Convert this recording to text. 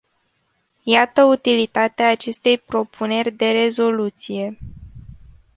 Iată utilitatea acestei propuneri de rezoluție.